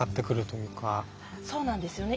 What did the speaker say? そうなんですよね。